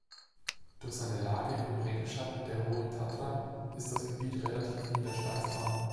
Durch seine Lage im Regenschatten der Hohen Tatra ist das Gebiet relativ niederschlagsarm.